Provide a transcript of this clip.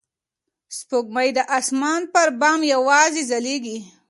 سپوږمۍ د اسمان پر بام یوازې ځلېږي.